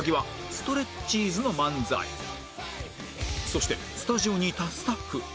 そしてスタジオにいたスタッフ